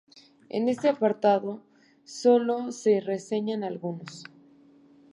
En este apartado sólo se reseñan algunos.